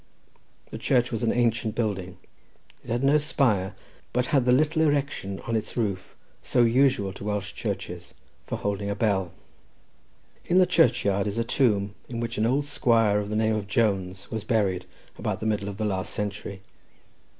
The church was an ancient building. It had no spire, but had the little erection on its roof, so usual to Welsh churches, for holding a bell. In the churchyard is a tomb, in which an old squire of the name of Jones was buried about the middle of the last century.